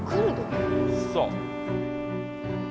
そう。